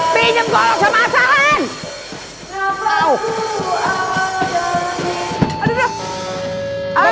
pinjam golok sama asalan